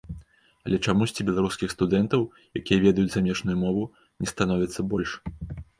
Але чамусьці беларускіх студэнтаў, якія ведаюць замежную мову, не становіцца больш.